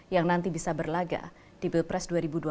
yang nanti bisa berlaga di pilpres dua ribu dua puluh